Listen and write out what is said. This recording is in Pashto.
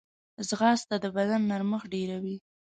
ځغاسته د بدن نرمښت ډېروي